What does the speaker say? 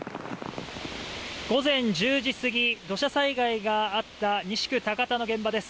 午前１０時すぎ土砂災害があった西区の現場です。